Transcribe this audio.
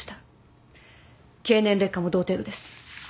経年劣化も同程度です。